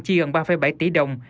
chi gần ba bảy tỷ đồng